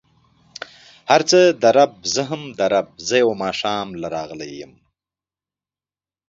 هر څه د رب، زه هم د رب، زه يو ماښام له راغلی يم.